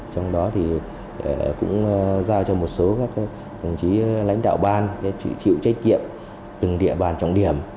trong đó thì cũng giao cho một số các lãnh đạo ban để chịu trách kiệm từng địa bàn trọng điểm